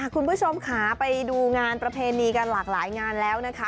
คุณผู้ชมค่ะไปดูงานประเพณีกันหลากหลายงานแล้วนะคะ